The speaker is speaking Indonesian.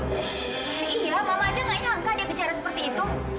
tidak nyangka dia bicara seperti itu